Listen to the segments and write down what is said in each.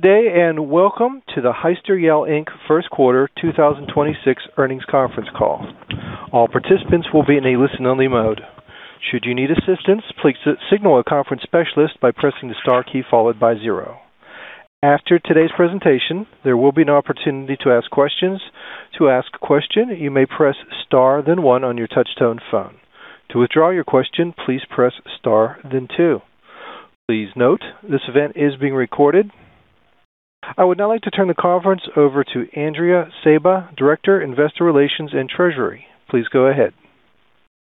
Day, and welcome to the Hyster-Yale, Inc first quarter 2026 earnings conference call. All participants will be in a listen-only mode. Should you need assistance, please signal a conference specialist by pressing the star key followed by zero. After today's presentation, there will be an opportunity to ask questions. To ask a question, you may press star then one on your touch-tone phone. To withdraw your question, please press star then two. Please note, this event is being recorded. I would now like to turn the conference over to Andrea Saba, Director, Investor Relations and Treasury. Please go ahead.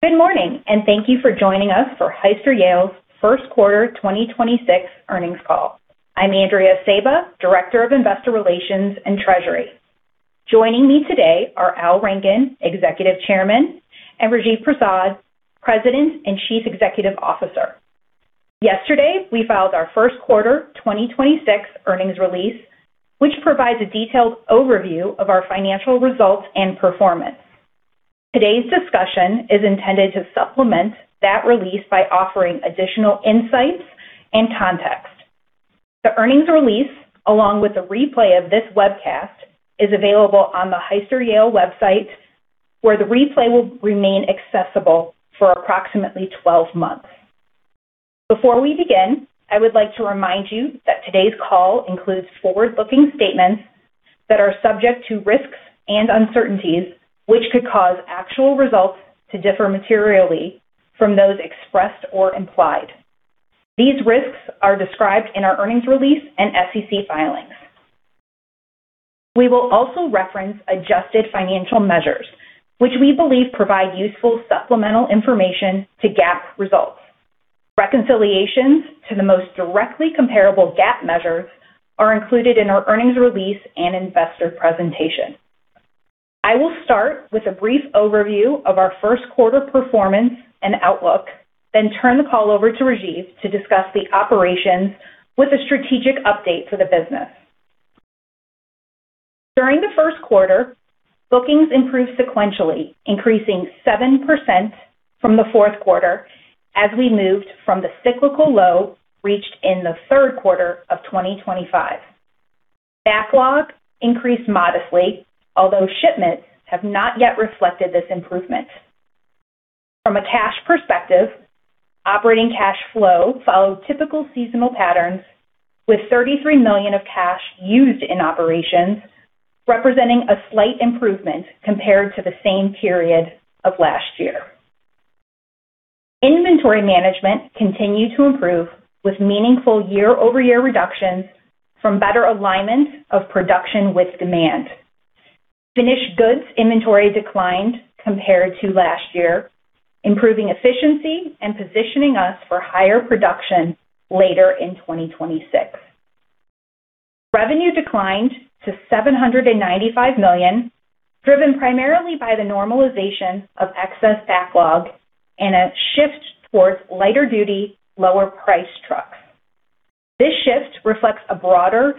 Good morning. Thank you for joining us for Hyster-Yale's first quarter 2026 earnings call. I'm Andrea Saba, Director of Investor Relations and Treasury. Joining me today are Al Rankin, Executive Chairman, and Rajiv Prasad, President and Chief Executive Officer. Yesterday, we filed our first quarter 2026 earnings release, which provides a detailed overview of our financial results and performance. Today's discussion is intended to supplement that release by offering additional insights and context. The earnings release, along with a replay of this webcast, is available on the Hyster-Yale website, where the replay will remain accessible for approximately 12 months. Before we begin, I would like to remind you that today's call includes forward-looking statements that are subject to risks and uncertainties, which could cause actual results to differ materially from those expressed or implied. These risks are described in our earnings release and SEC filings. We will also reference adjusted financial measures, which we believe provide useful supplemental information to GAAP results. Reconciliations to the most directly comparable GAAP measures are included in our earnings release and investor presentation. I will start with a brief overview of our first quarter performance and outlook, then turn the call over to Rajiv to discuss the operations with a strategic update for the business. During the first quarter, bookings improved sequentially, increasing 7% from the fourth quarter as we moved from the cyclical low reached in the third quarter of 2025. Backlog increased modestly, although shipments have not yet reflected this improvement. From a cash perspective, operating cash flow followed typical seasonal patterns with $33 million of cash used in operations, representing a slight improvement compared to the same period of last year. Inventory management continued to improve with meaningful year-over-year reductions from better alignment of production with demand. Finished goods inventory declined compared to last year, improving efficiency and positioning us for higher production later in 2026. Revenue declined to $795 million, driven primarily by the normalization of excess backlog and a shift towards lighter-duty, lower-priced trucks. This shift reflects a broader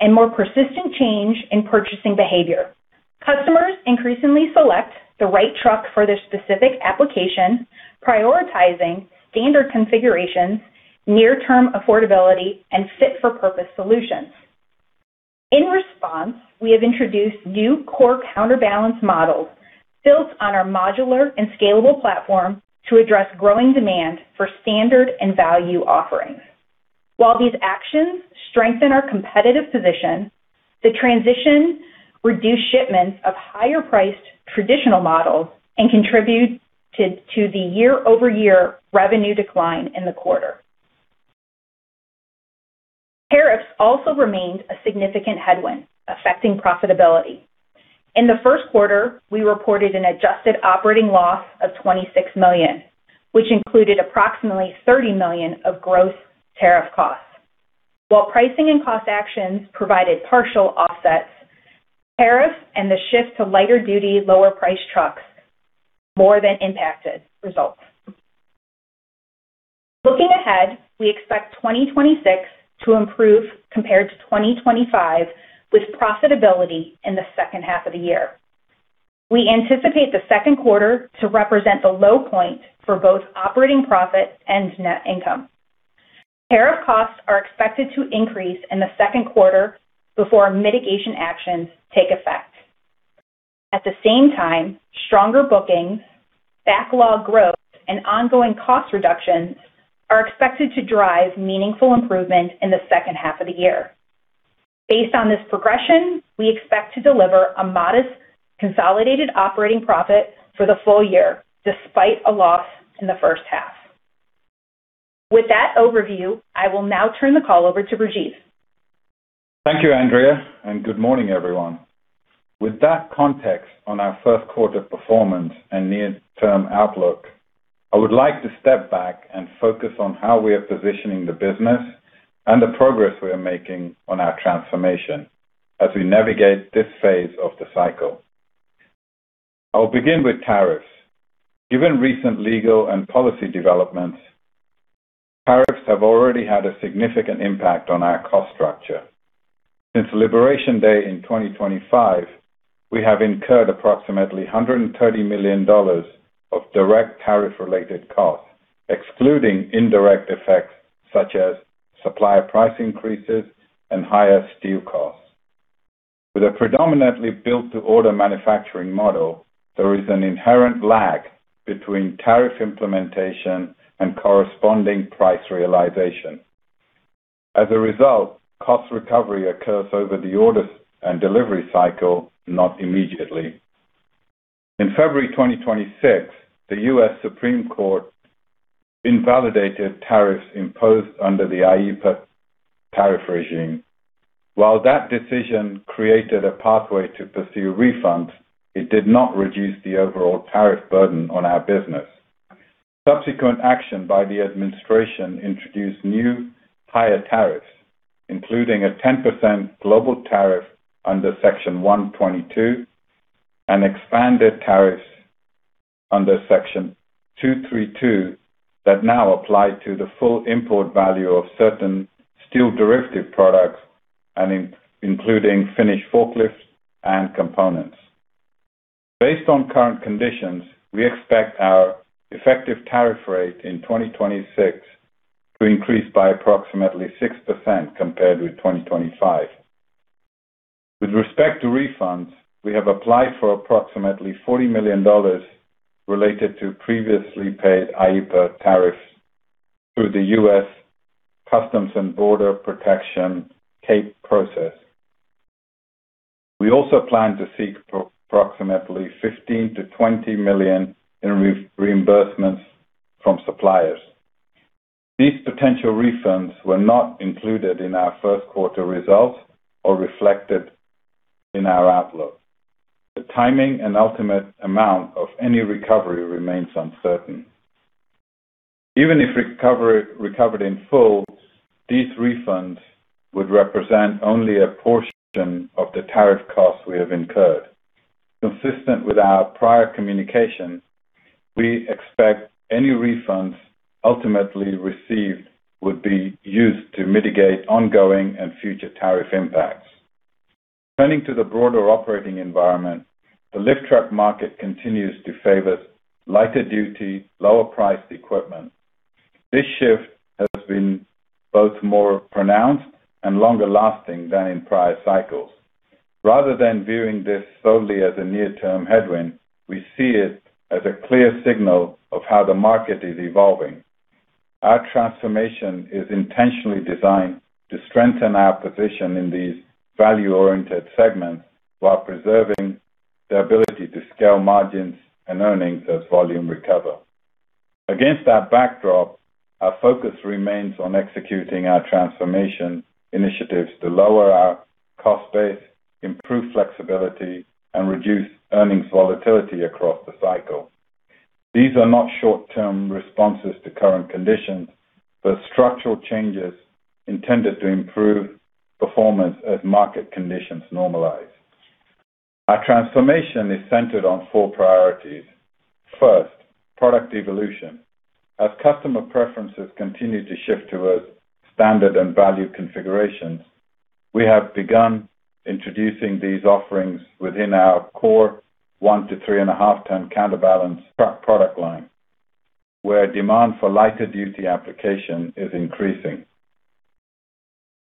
and more persistent change in purchasing behavior. Customers increasingly select the right truck for their specific application, prioritizing standard configurations, near-term affordability, and fit-for-purpose solutions. In response, we have introduced new core counterbalance models built on our modular and scalable platform to address growing demand for standard and value offerings. While these actions strengthen our competitive position, the transition reduced shipments of higher-priced traditional models and contributed to the year-over-year revenue decline in the quarter. Tariffs also remained a significant headwind, affecting profitability. In the first quarter, we reported an adjusted operating loss of $26 million, which included approximately $30 million of gross tariff costs. While pricing and cost actions provided partial offsets, tariffs and the shift to lighter-duty, lower-priced trucks more than impacted results. Looking ahead, we expect 2026 to improve compared to 2025, with profitability in the second half of the year. We anticipate the second quarter to represent the low point for both operating profit and net income. Tariff costs are expected to increase in the second quarter before mitigation actions take effect. At the same time, stronger bookings, backlog growth, and ongoing cost reductions are expected to drive meaningful improvement in the second half of the year. Based on this progression, we expect to deliver a modest consolidated operating profit for the full year, despite a loss in the first half. With that overview, I will now turn the call over to Rajiv. Thank you, Andrea, and good morning, everyone. With that context on our first quarter performance and near-term outlook, I would like to step back and focus on how we are positioning the business and the progress we are making on our transformation as we navigate this phase of the cycle. I'll begin with tariffs. Given recent legal and policy developments, tariffs have already had a significant impact on our cost structure. Since Liberation Day in 2025, we have incurred approximately $130 million of direct tariff related costs, excluding indirect effects such as supplier price increases and higher steel costs. With a predominantly built to order manufacturing model, there is an inherent lag between tariff implementation and corresponding price realization. As a result, cost recovery occurs over the orders and delivery cycle, not immediately. In February 2026, the U.S. Supreme Court invalidated tariffs imposed under the IEEPA tariff regime. While that decision created a pathway to pursue refunds, it did not reduce the overall tariff burden on our business. Subsequent action by the administration introduced new higher tariffs, including a 10% global tariff under Section 122 and expanded tariffs under Section 232 that now apply to the full import value of certain steel derivative products and including finished forklifts and components. Based on current conditions, we expect our effective tariff rate in 2026 to increase by approximately 6% compared with 2025. With respect to refunds, we have applied for approximately $40 million related to previously paid IEEPA tariffs through the U.S. Customs and Border Protection CAPE process. We also plan to seek approximately $15 million-$20 million in reimbursements from suppliers. These potential refunds were not included in our first quarter results or reflected in our outlook. The timing and ultimate amount of any recovery remains uncertain. Even if recovered in full, these refunds would represent only a portion of the tariff costs we have incurred. Consistent with our prior communications, we expect any refunds ultimately received would be used to mitigate ongoing and future tariff impacts. Turning to the broader operating environment, the lift truck market continues to favor lighter duty, lower priced equipment. This shift has been both more pronounced and longer lasting than in prior cycles. Rather than viewing this solely as a near-term headwind, we see it as a clear signal of how the market is evolving. Our transformation is intentionally designed to strengthen our position in these value-oriented segments while preserving the ability to scale margins and earnings as volume recover. Against that backdrop, our focus remains on executing our transformation initiatives to lower our cost base, improve flexibility, and reduce earnings volatility across the cycle. These are not short-term responses to current conditions, but structural changes intended to improve performance as market conditions normalize. Our transformation is centered on four priorities. First, product evolution. As customer preferences continue to shift towards standard and value configurations, we have begun introducing these offerings within our core 1 ton-3.5 ton counterbalance product line, where demand for lighter duty application is increasing.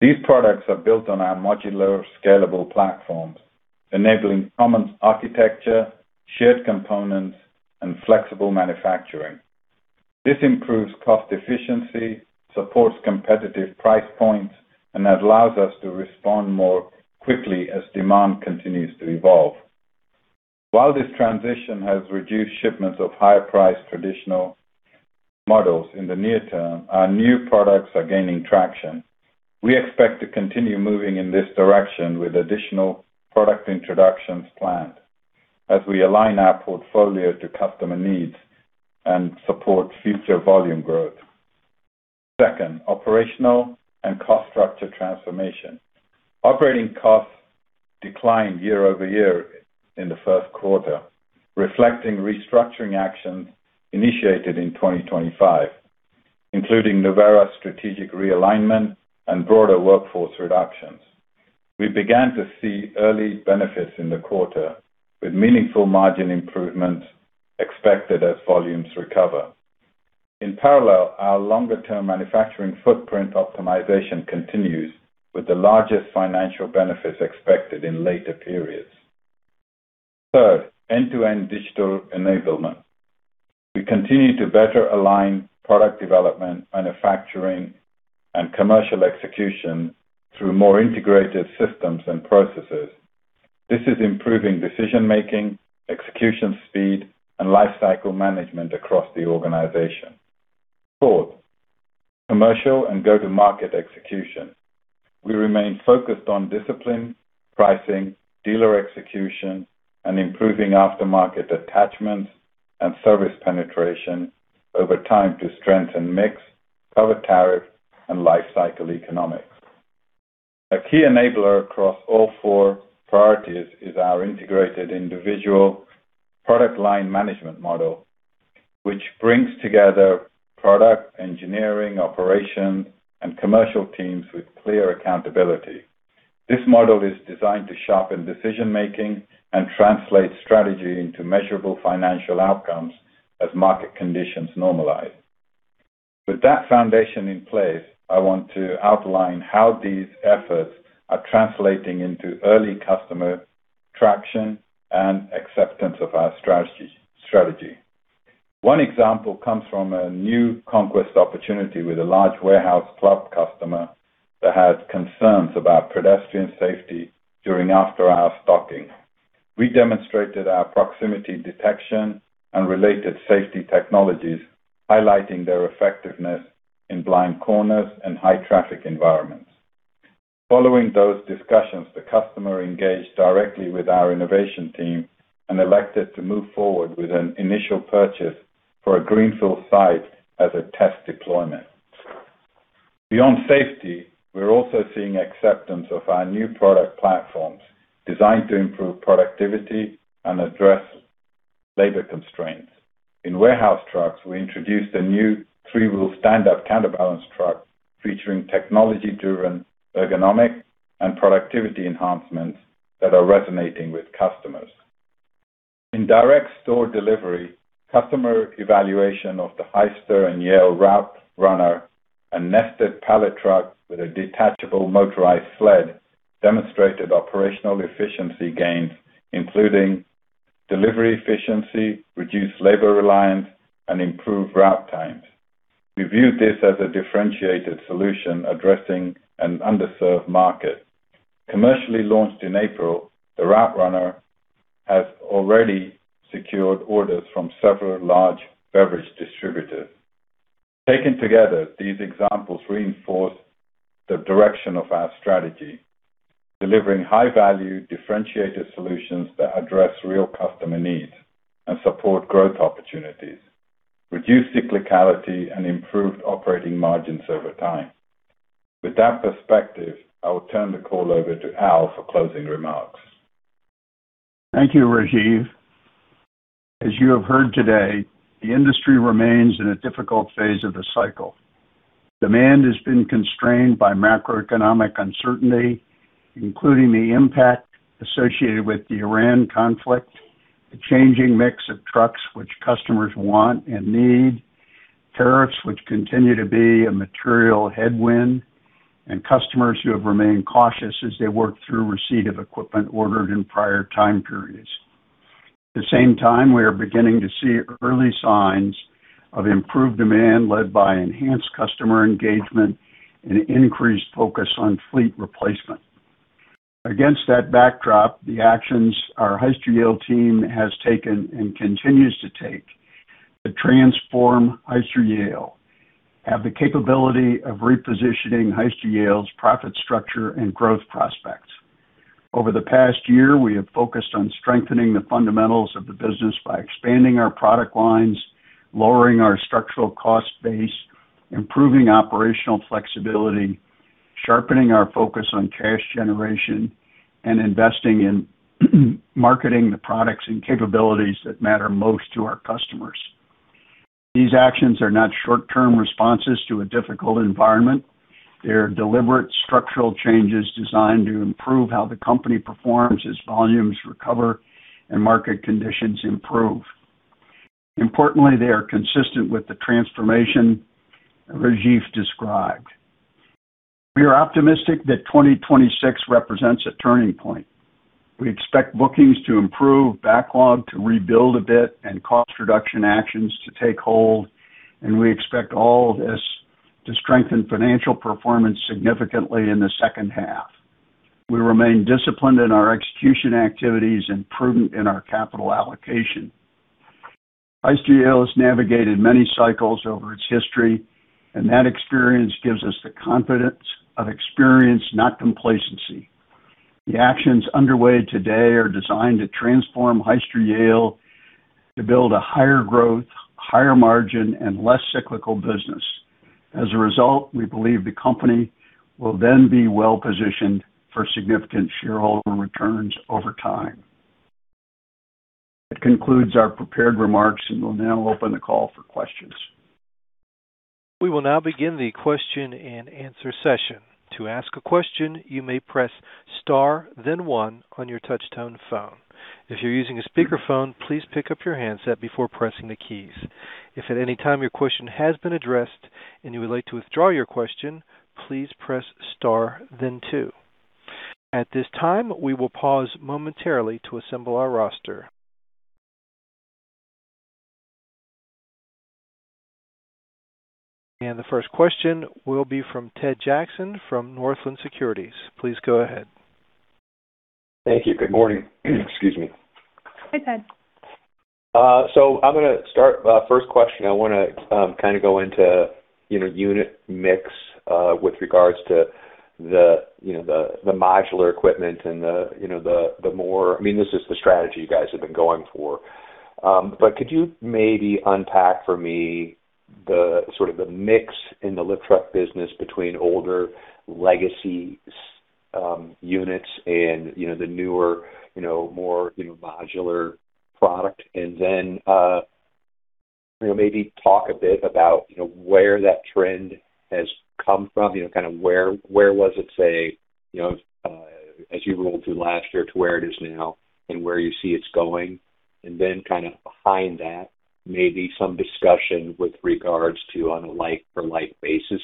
These products are built on our modular scalable platforms, enabling common architecture, shared components, and flexible manufacturing. This improves cost efficiency, supports competitive price points, and allows us to respond more quickly as demand continues to evolve. While this transition has reduced shipments of higher priced traditional models in the near term, our new products are gaining traction. We expect to continue moving in this direction with additional product introductions planned as we align our portfolio to customer needs and support future volume growth. Second, operational and cost structure transformation. Operating costs declined year-over-year in the first quarter, reflecting restructuring actions initiated in 2025, including Nuvera strategic realignment and broader workforce reductions. We began to see early benefits in the quarter, with meaningful margin improvements expected as volumes recover. In parallel, our longer-term manufacturing footprint optimization continues with the largest financial benefits expected in later periods. Third, end-to-end digital enablement. We continue to better align product development, manufacturing, and commercial execution through more integrated systems and processes. This is improving decision making, execution speed, and lifecycle management across the organization. Fourth, commercial and go-to-market execution. We remain focused on discipline, pricing, dealer execution, and improving aftermarket attachments and service penetration over time to strengthen mix, cover tariff, and lifecycle economics. A key enabler across all four priorities is our integrated individual product line management model, which brings together product engineering, operations, and commercial teams with clear accountability. This model is designed to sharpen decision-making and translate strategy into measurable financial outcomes as market conditions normalize. With that foundation in place, I want to outline how these efforts are translating into early customer traction and acceptance of our strategy. One example comes from a new conquest opportunity with a large warehouse club customer that had concerns about pedestrian safety during after-hour stocking. We demonstrated our proximity detection and related safety technologies, highlighting their effectiveness in blind corners and high-traffic environments. Following those discussions, the customer engaged directly with our innovation team and elected to move forward with an initial purchase for a greenfield site as a test deployment. Beyond safety, we're also seeing acceptance of our new product platforms designed to improve productivity and address labor constraints. In warehouse trucks, we introduced a new three-wheel standup counterbalance truck featuring technology-driven ergonomics and productivity enhancements that are resonating with customers. In direct store delivery, customer evaluation of the Hyster and Yale Route Runner, a nested pallet truck with a detachable motorized sled, demonstrated operational efficiency gains, including delivery efficiency, reduced labor reliance, and improved route times. We view this as a differentiated solution addressing an underserved market. Commercially launched in April, the Route Runner has already secured orders from several large beverage distributors. Taken together, these examples reinforce the direction of our strategy, delivering high-value, differentiated solutions that address real customer needs and support growth opportunities, reduce cyclicality, and improve operating margins over time. With that perspective, I will turn the call over to Al for closing remarks. Thank you, Rajiv. As you have heard today, the industry remains in a difficult phase of the cycle. Demand has been constrained by macroeconomic uncertainty, including the impact associated with the Iran conflict, the changing mix of trucks which customers want and need, tariffs which continue to be a material headwind, and customers who have remained cautious as they work through receipt of equipment ordered in prior time periods. At the same time, we are beginning to see early signs of improved demand led by enhanced customer engagement and increased focus on fleet replacement. Against that backdrop, the actions our Hyster-Yale team has taken and continues to take to transform Hyster-Yale have the capability of repositioning Hyster-Yale's profit structure and growth prospects. Over the past year, we have focused on strengthening the fundamentals of the business by expanding our product lines, lowering our structural cost base, improving operational flexibility, sharpening our focus on cash generation, and investing in marketing the products and capabilities that matter most to our customers. These actions are not short-term responses to a difficult environment. They are deliberate structural changes designed to improve how the company performs as volumes recover and market conditions improve. Importantly, they are consistent with the transformation Rajiv described. We are optimistic that 2026 represents a turning point. We expect bookings to improve, backlog to rebuild a bit, and cost reduction actions to take hold, and we expect all of this to strengthen financial performance significantly in the second half. We remain disciplined in our execution activities and prudent in our capital allocation. Hyster-Yale has navigated many cycles over its history, and that experience gives us the confidence of experience, not complacency. The actions underway today are designed to transform Hyster-Yale to build a higher growth, higher margin, and less cyclical business. As a result, we believe the company will then be well-positioned for significant shareholder returns over time. That concludes our prepared remarks, and we'll now open the call for questions. We will now begin the question-and-answer session. To ask a question, you may press star then one on your touchtone phone. If you're using a speaker phone, please pick up your handset before pressing the keys. If at anytime your question has been addressed, and you would like to withdraw your question, please press star then two. At this time we will pause momentarily to assemble our roster. The first question will be from Ted Jackson from Northland Securities. Please go ahead. Thank you. Good morning. Excuse me. Hi, Ted. I'm gonna start, first question. I wanna kind of go into, you know, unit mix with regards to the, you know, the modular equipment and the, you know, the more I mean, this is the strategy you guys have been going for. Could you maybe unpack for me the, sort of the mix in the lift truck business between older legacy units and, you know, the newer, you know, more, you know, modular product. You know, maybe talk a bit about, you know, where that trend has come from. You know, kind of where was it, say, you know, as you rolled through last year to where it is now and where you see it's going? Then kind of behind that, maybe some discussion with regards to on a like-for-like basis,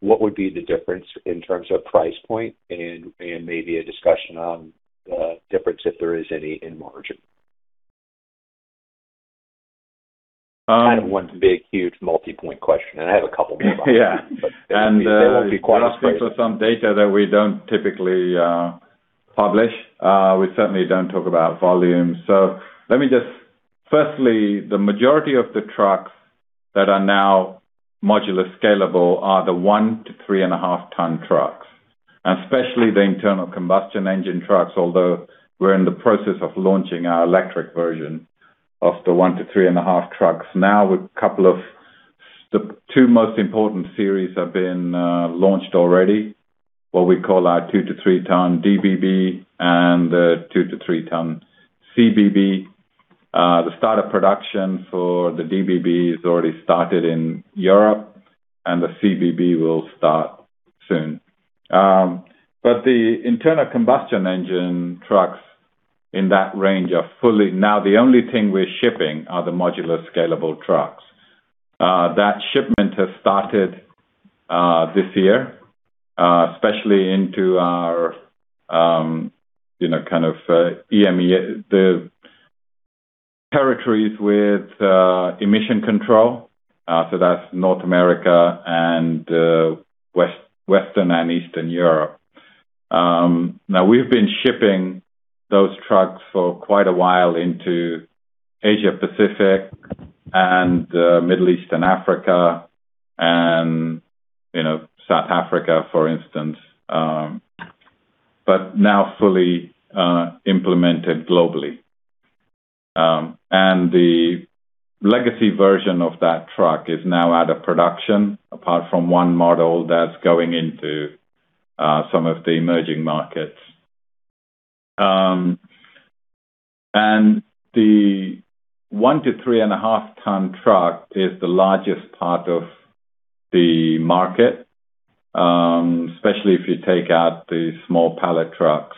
what would be the difference in terms of price point and maybe a discussion on the difference, if there is any, in margin. Um- Kind of one big, huge multipoint question, and I have a couple more. Yeah. They won't be quite as big. You're asking for some data that we don't typically publish. We certainly don't talk about volume. Firstly, the majority of the trucks that are now modular scalable are the 1 ton-3.5 ton trucks, and especially the internal combustion engine trucks, although we're in the process of launching our electric version of the 1 ton-3.5 ton trucks. Now, the two most important series have been launched already, what we call our 2 ton-3 ton DBB and the 2 ton-3 ton CBB. The start of production for the DBB has already started in Europe, and the CBB will start soon. The internal combustion engine trucks in that range are fully Now the only thing we're shipping are the modular scalable trucks. That shipment has started this year, especially into our, you know, kind of, EMEA, the territories with emission control, so that's North America and Western and Eastern Europe. Now we've been shipping those trucks for quite a while into Asia Pacific and Middle East and Africa and, you know, South Africa, for instance, but now fully implemented globally. The legacy version of that truck is now out of production, apart from 1 model that's going into some of the emerging markets. The 1 ton-3.5 ton truck is the largest part of the market, especially if you take out the small pallet trucks.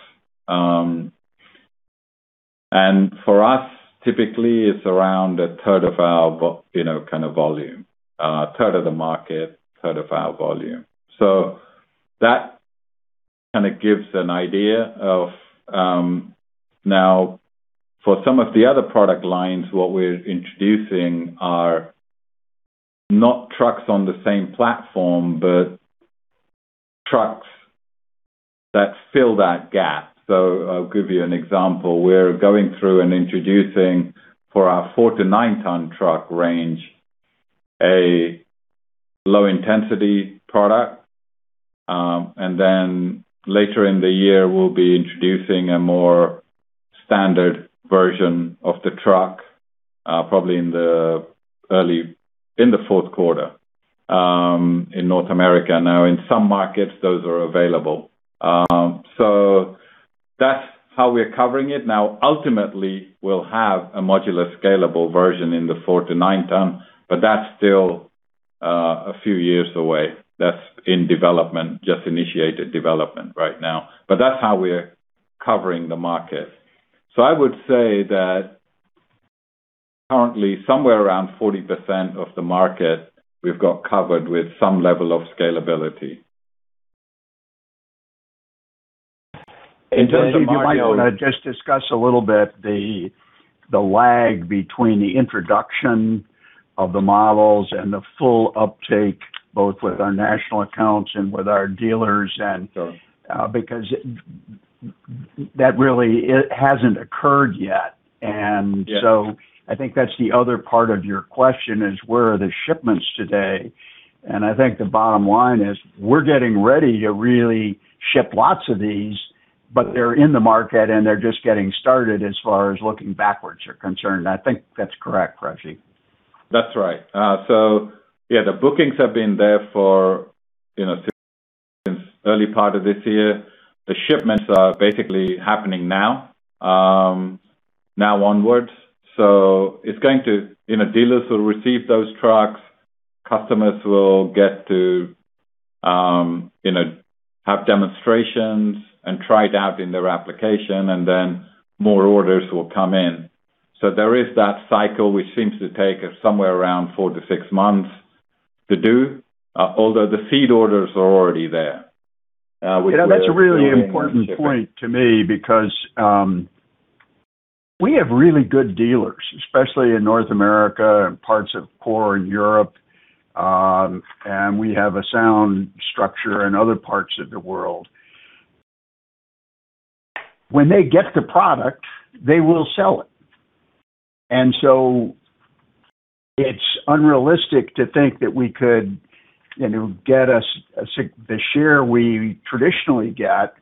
For us, typically it's around 1/3 of our volume, 1/3 of the market, 1/3 of our volume. That kind of gives an idea of now, for some of the other product lines, what we're introducing are not trucks on the same platform, but trucks that fill that gap. I'll give you an example. We're going through and introducing for our 4 ton-9 ton truck range, a low intensity product, and then later in the year we'll be introducing a more standard version of the truck, probably in the fourth quarter, in North America. Now, in some markets, those are available. That's how we're covering it. Now, ultimately, we'll have a modular scalable version in the 4 ton-9 ton, but that's still a few years away. That's in development, just initiated development right now. That's how we're covering the market. I would say that currently somewhere around 40% of the market we've got covered with some level of scalability. Hey, Rajiv, you might wanna just discuss a little bit the lag between the introduction of the models and the full uptake, both with our national accounts and with our dealers- Sure. -because that really hasn't occurred yet. Yeah. I think that's the other part of your question is, where are the shipments today? I think the bottom line is, we're getting ready to really ship lots of these, but they're in the market, and they're just getting started as far as looking backwards are concerned. I think that's correct, Rajiv. That's right. Yeah, the bookings have been there for, you know, since early part of this year. The shipments are basically happening now onwards. You know, dealers will receive those trucks, customers will get to, you know, have demonstrations and try it out in their application, more orders will come in. There is that cycle, which seems to take us somewhere around four to six months to do, although the feed orders are already there. Yeah, that's a really important point to me because we have really good dealers, especially in North America and parts of core Europe, and we have a sound structure in other parts of the world. When they get the product, they will sell it. It's unrealistic to think that we could, you know, get the share we traditionally get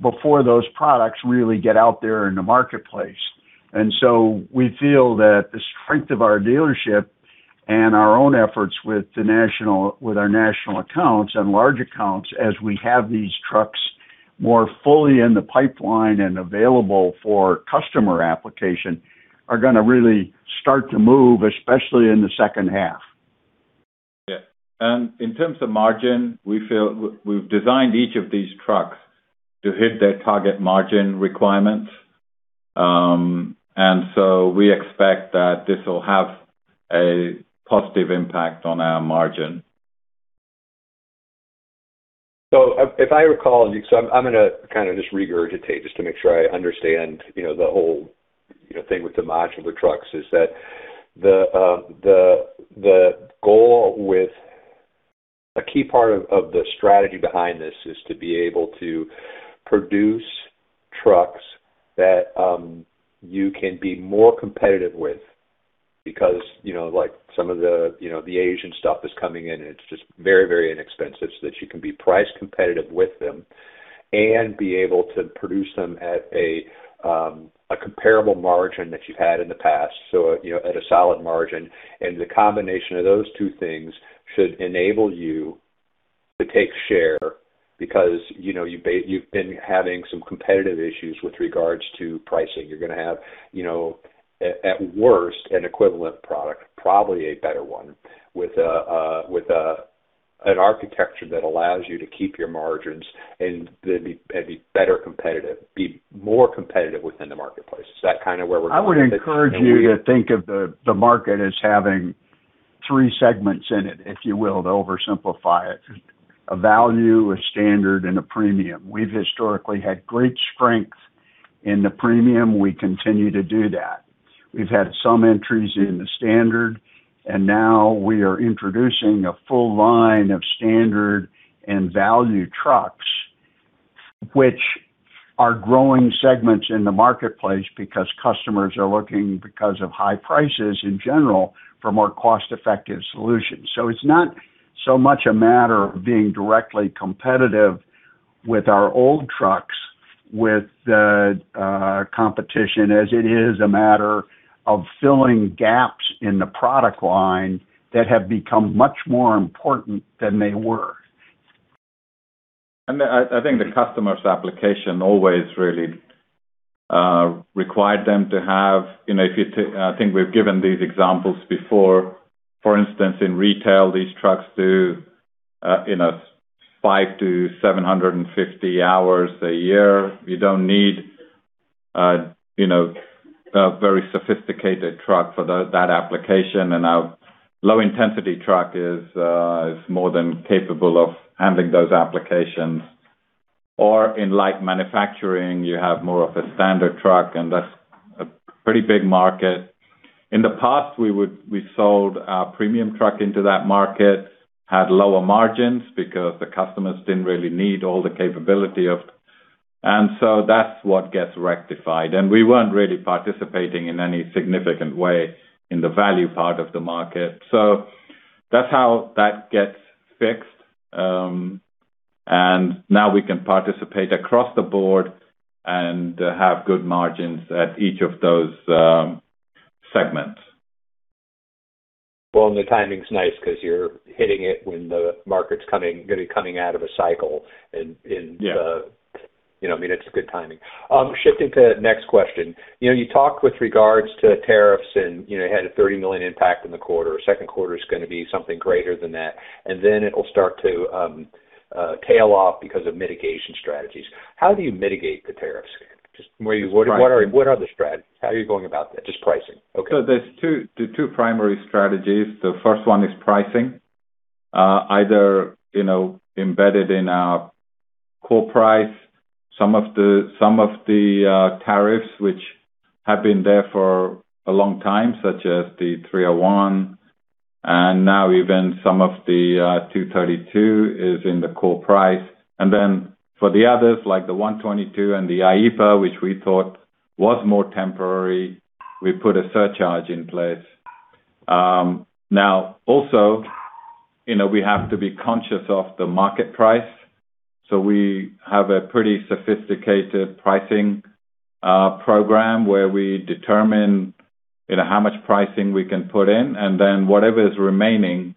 before those products really get out there in the marketplace. We feel that the strength of our dealership and our own efforts with our national accounts and large accounts as we have these trucks more fully in the pipeline and available for customer application are gonna really start to move, especially in the second half. Yeah. In terms of margin, we feel we've designed each of these trucks to hit their target margin requirements. We expect that this will have a positive impact on our margin. If I recall, I'm gonna kind of just regurgitate just to make sure I understand, you know, the whole, you know, thing with the modular trucks is that the goal with a key part of the strategy behind this is to be able to produce trucks that you can be more competitive with because, you know, like some of the, you know, the Asian stuff is coming in, and it's just very inexpensive, so that you can be price competitive with them and be able to produce them at a comparable margin that you've had in the past, so, you know, at a solid margin. The combination of those two things should enable you to take share because, you know, you've been having some competitive issues with regards to pricing. You're gonna have, you know, at worst, an equivalent product, probably a better one, with an architecture that allows you to keep your margins and then be more competitive within the marketplace. Is that kind of where we're going with it? I would encourage you to think of the market as having three segments in it, if you will, to oversimplify it. A value, a standard, and a premium. We've historically had great strength in the premium. We continue to do that. We've had some entries in the standard, and now we are introducing a full line of standard and value trucks, which are growing segments in the marketplace because customers are looking, because of high prices in general, for more cost-effective solutions. It's not so much a matter of being directly competitive with our old trucks with the competition, as it is a matter of filling gaps in the product line that have become much more important than they were. I think the customer's application always really required them to have, you know, I think we've given these examples before. For instance, in retail, these trucks do, you know, 500 hours-750 hours a year. You don't need a, you know, a very sophisticated truck for that application, and our low-intensity truck is more than capable of handling those applications. In light manufacturing, you have more of a standard truck, and that's a pretty big market. In the past, we sold our premium truck into that market, had lower margins because the customers didn't really need all the capability. That's what gets rectified. We weren't really participating in any significant way in the value part of the market. That's how that gets fixed. Now we can participate across the board and have good margins at each of those segments. Well, the timing's nice 'cause you're hitting it when the market's coming, gonna be coming out of a cycle. Yeah. You know, I mean, it's good timing. Shifting to next question. You know, you talked with regards to tariffs and, you know, had a $30 million impact in the quarter. Second quarter's gonna be something greater than that, then it'll start to tail off because of mitigation strategies. How do you mitigate the tariffs? Pricing. What are the strategies? How are you going about that? Just pricing. Okay. There's two, the two primary strategies. The first one is pricing. Either, you know, embedded in our core price some of the tariffs which have been there for a long time, such as the 301, and now even some of the 232 is in the core price. Then for the others, like the 122 and the IEEPA, which we thought was more temporary, we put a surcharge in place. Now also, you know, we have to be conscious of the market price. We have a pretty sophisticated pricing program where we determine, you know, how much pricing we can put in. Whatever is remaining,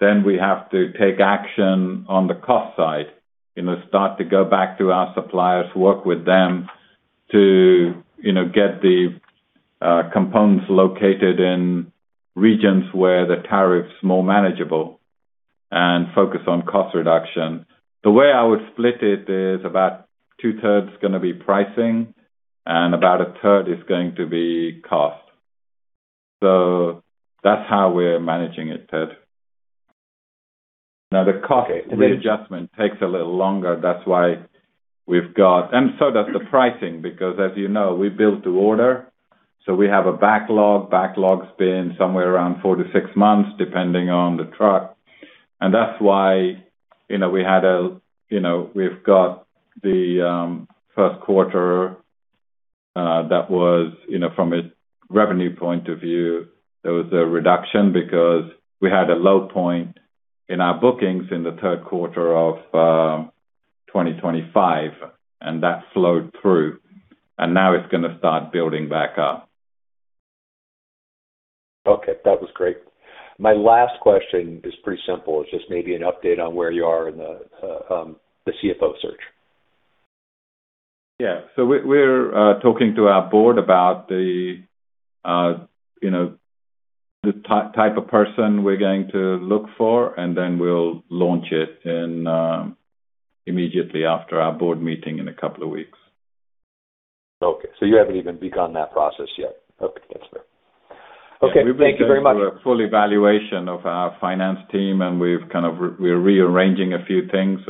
we have to take action on the cost side and start to go back to our suppliers, work with them to get the components located in regions where the tariff's more manageable and focus on cost reduction. The way I would split it is about 2/3 going to be pricing and about 1/3 is going to be cost. That's how we're managing it, Ted. The cost readjustment takes a little longer. Does the pricing because we build to order, so we have a backlog. Backlog's been somewhere around four to six months, depending on the truck. That's why, you know, we had a, you know, we've got the first quarter that was, you know, from a revenue point of view, there was a reduction because we had a low point in our bookings in the third quarter of 2025, and that flowed through. Now it's gonna start building back up. Okay, that was great. My last question is pretty simple. It's just maybe an update on where you are in the CFO search. We're talking to our Board about the, you know, the type of person we're going to look for, and then we'll launch it in immediately after our Board meeting in a couple of weeks. Okay. You haven't even begun that process yet? Okay, that's fair. Okay, thank you very much. We've been through a full evaluation of our finance team, we're rearranging a few things,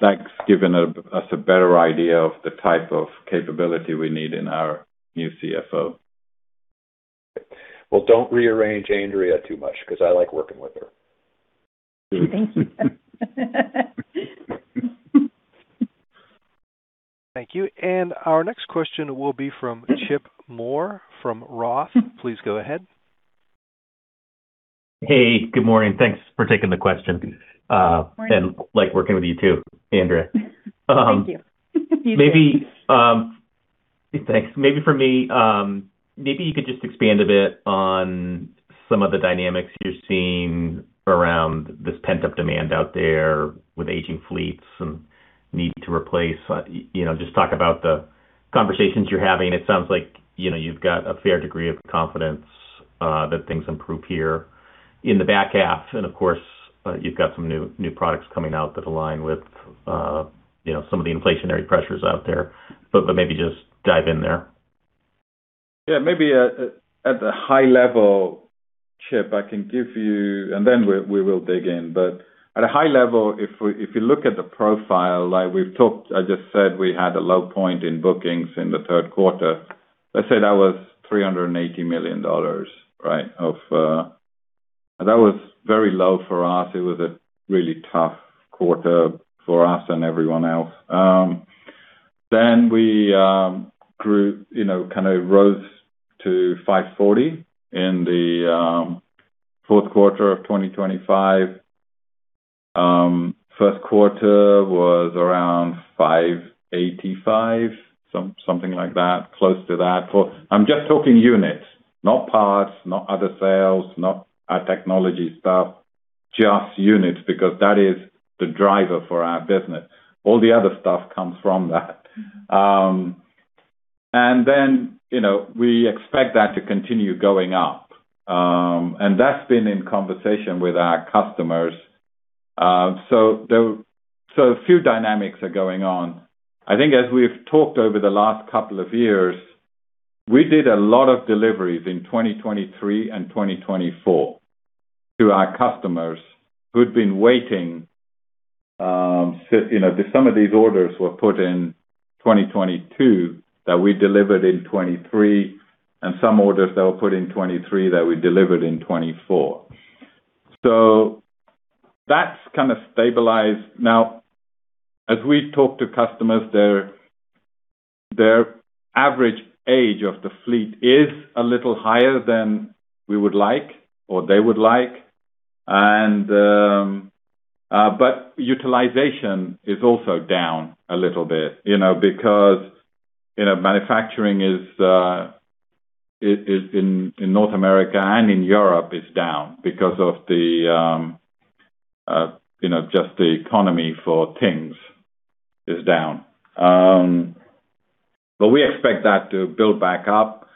that's given us a better idea of the type of capability we need in our new CFO. Well, don't rearrange Andrea too much because I like working with her. Thank you. Thank you. Our next question will be from Chip Moore from Roth. Please go ahead. Hey, good morning. Thanks for taking the question. Like working with you too, Andrea. Thank you. You too. Thanks. Maybe for me, maybe you could just expand a bit on some of the dynamics you're seeing around this pent-up demand out there with aging fleets and need to replace. You know, just talk about the conversations you're having. It sounds like, you know, you've got a fair degree of confidence that things improve here in the back half. Of course, you've got some new products coming out that align with, you know, some of the inflationary pressures out there. But maybe just dive in there. Yeah. Maybe at the high level, Chip, we will dig in. At a high level, if you look at the profile like we've talked, I just said we had a low point in bookings in the third quarter. Let's say that was $380 million, right? That was very low for us. It was a really tough quarter for us and everyone else. Then we grew, you know, kind of rose to $540 million in the fourth quarter of 2025. First quarter was around $585 million, something like that, close to that. I'm just talking units, not parts, not other sales, not our technology stuff, just units, because that is the driver for our business. All the other stuff comes from that. Then, you know, we expect that to continue going up. And that's been in conversation with our customers. So a few dynamics are going on. I think as we've talked over the last couple of years, we did a lot of deliveries in 2023 and 2024 to our customers who'd been waiting, you know, some of these orders were put in 2022 that we delivered in 2023, and some orders that were put in 2023 that we delivered in 2024. That's kind of stabilized. Now, as we talk to customers, their average age of the fleet is a little higher than we would like or they would like. But utilization is also down a little bit, you know, because, you know, manufacturing is in North America and in Europe is down because of the, you know, just the economy for things is down. But we expect that to build back up.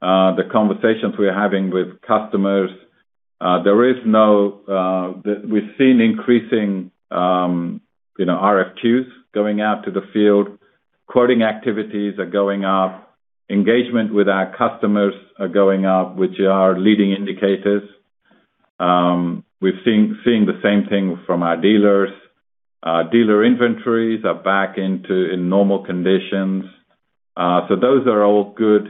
The conversations we're having with customers, We've seen increasing, you know, RFQs going out to the field. Quoting activities are going up. Engagement with our customers are going up, which are leading indicators. We're seeing the same thing from our dealers. Our dealer inventories are back into normal conditions. Those are all good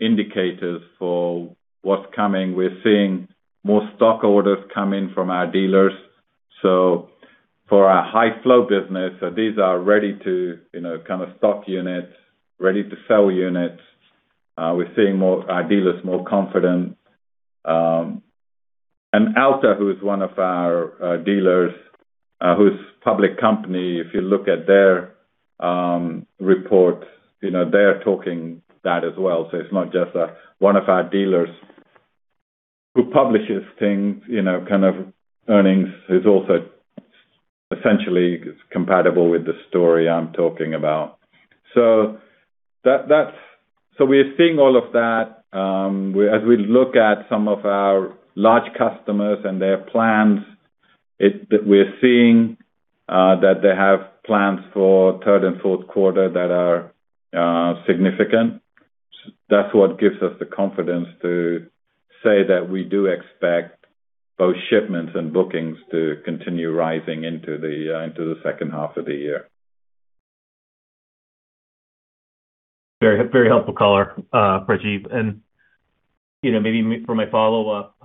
indicators for what's coming. We're seeing more stock orders come in from our dealers. For our high flow business, these are ready to, you know, kind of stock units, ready-to-sell units. We're seeing our dealers more confident. Alta, who is one of our dealers, who's public company, if you look at their report, you know, they're talking that as well. It's not just one of our dealers who publishes things, you know, kind of earnings, who's also essentially compatible with the story I'm talking about. We're seeing all of that. As we look at some of our large customers and their plans, we're seeing that they have plans for third and fourth quarter that are significant. That's what gives us the confidence to say that we do expect both shipments and bookings to continue rising into the second half of the year. Very, very helpful color, Rajiv. You know, maybe for my follow-up,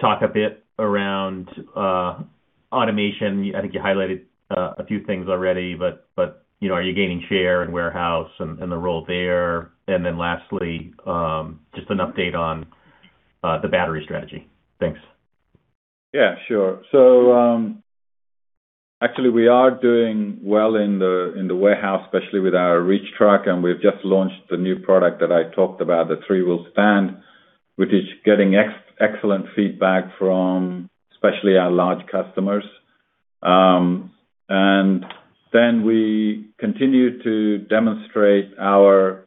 talk a bit around automation. I think you highlighted a few things already, but, you know, are you gaining share in warehouse and the role there? Lastly, just an update on the battery strategy. Thanks. Yeah, sure. Actually we are doing well in the warehouse, especially with our reach truck, and we've just launched the new product that I talked about, the three-wheel stand, which is getting excellent feedback from especially our large customers. We continue to demonstrate our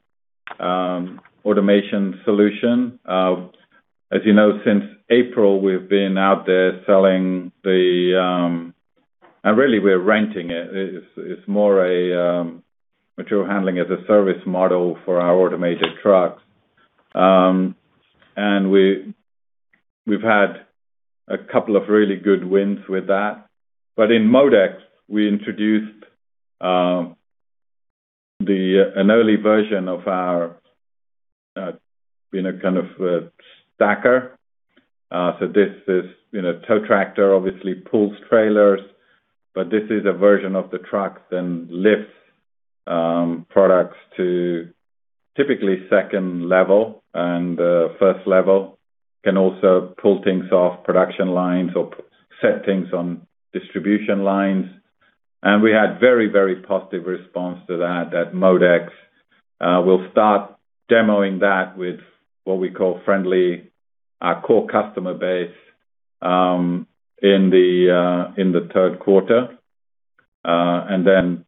automation solution. As you know, since April, we've been out there selling the... Really we're renting it. It's more a material handling as a service model for our automated trucks. We've had a couple of really good wins with that. In MODEX, we introduced an early version of our, you know, stacker. This is, you know, tow tractor obviously pulls trailers, but this is a version of the trucks and lifts products to typically second level and first level. Can also pull things off production lines or set things on distribution lines. We had very, very positive response to that at MODEX. We'll start demoing that with what we call friendly, our core customer base, in the third quarter, and then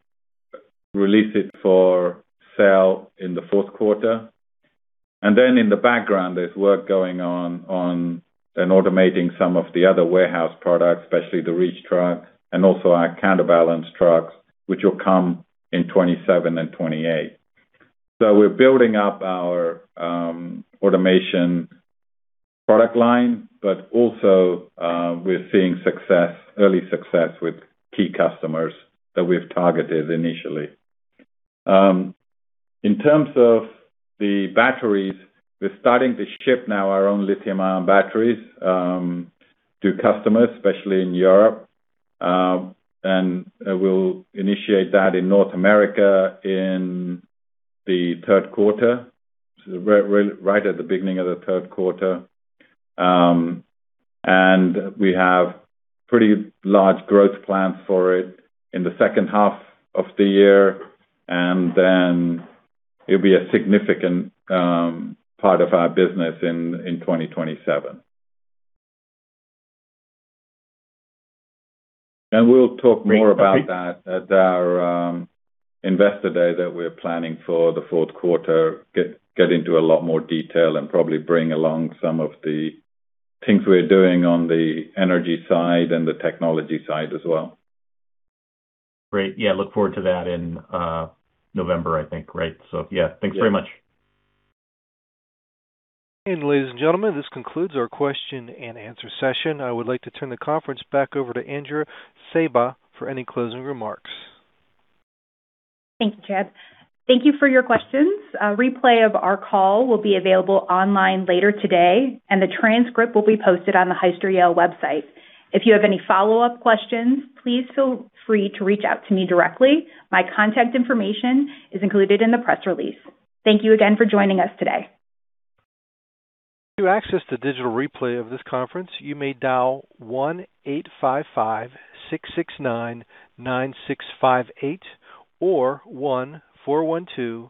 release it for sale in the fourth quarter. In the background, there's work going on in automating some of the other warehouse products, especially the reach truck and also our counterbalance trucks, which will come in 2027 and 2028. We're building up our automation product line, but also, we're seeing success, early success with key customers that we've targeted initially. In terms of the batteries, we're starting to ship now our own lithium-ion batteries to customers, especially in Europe. We'll initiate that in North America in the third quarter, right at the beginning of the third quarter. We have pretty large growth plans for it in the second half of the year. It'll be a significant part of our business in 2027. We'll talk more about that at our investor day that we're planning for the fourth quarter. Get into a lot more detail and probably bring along some of the things we're doing on the energy side and the technology side as well. Great. Yeah, look forward to that in November, I think, right? Yeah, thanks very much. Ladies and gentlemen, this concludes our question-and-answer session. I would like to turn the conference back over to Andrea Saba for any closing remarks. Thanks, Chad. Thank you for your questions. A replay of our call will be available online later today, and the transcript will be posted on the Hyster-Yale website. If you have any follow-up questions, please feel free to reach out to me directly. My contact information is included in the press release. Thank you again for joining us today. To access the digital replay of this conference, you may dial one 1-855-669-9658 or 1-412--